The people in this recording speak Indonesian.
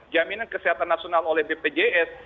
jaminan kesehatan nasional oleh bpjs